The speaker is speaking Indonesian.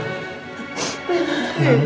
udah ya ya